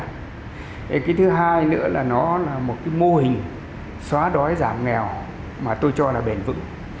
cái thứ hai nữa là nó là một cái mô hình xóa đói giảm nghèo mà tôi cho là bền vững